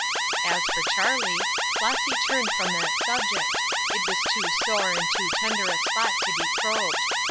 As for Charlie, Flossy turned from that subject; it was too sore and too tender a spot to be probed.